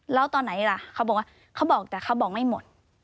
แล้วตอนไหนล่ะเขาบอกว่าเขาบอกแต่เขาบอกไม่หมด